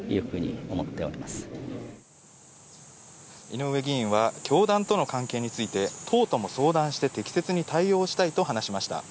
井上議員は教団との関係について党とも相談して適切に対応したいと話しました。